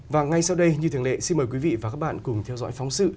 và ngay sau đây như thường lệ xin mời quý vị và các bạn cùng theo dõi phóng sự